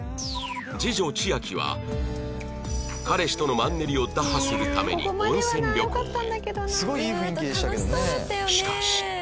次女千秋は彼氏とのマンネリを打破するために温泉旅行へ